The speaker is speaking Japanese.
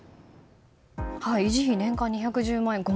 維持費年間２１０万円。